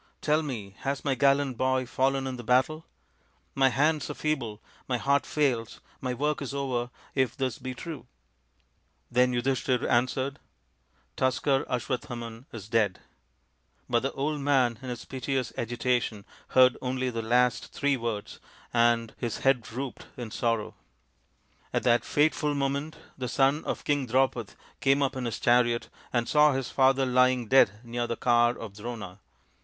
Tell me, has my gallant boy fallen in the battle ? My hands are feeble, my heart fails, my work is over if this be true." Then Yudhishthir answered, " Tusker Aswa thaman is dead," but the old man in his piteous agitation heard only the last three words, and his i io THE INDIAN STORY BOOK head drooped in sorrow. At that fateful moment the son of King Draupad came up in his chariot and saw his father lying dead near the car of Drona.